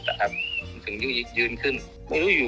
ถูกอยู่มันก็อยู่